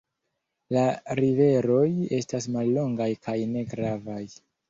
La riveroj estas mallongaj kaj ne gravaj.